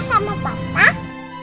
saya wanita baru nford gue upah